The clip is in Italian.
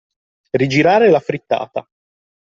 Rigirare la frittata.